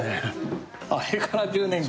あれから１０年か。